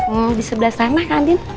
mau di sebelah sana kak andin